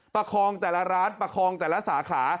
ประคองแต่ละร้านประคองแต่ละสาขา